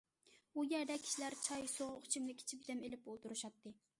ئۇ يەردە كىشىلەر چاي، سوغۇق ئىچىملىك ئىچىپ دەم ئېلىپ ئولتۇرۇشاتتى.